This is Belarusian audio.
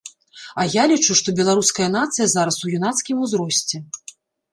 А я лічу, што беларуская нацыя зараз у юнацкім узросце.